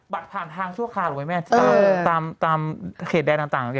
ปัดผ่านทางชั่วคราวหรือไม่อาจจะตามตามตามเขตแดนต่างอย่างเช่น